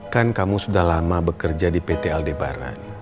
kan kamu sudah lama bekerja di pt aldebaran